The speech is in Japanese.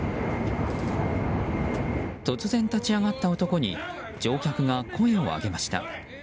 突然立ち上がった男に乗客が声を上げました。